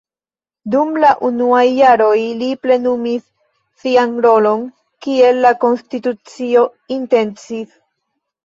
Dum la unuaj jaroj li plenumis sian rolon kiel la konstitucio intencis.